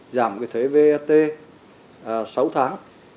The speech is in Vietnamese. giảm thuế vat sáu tháng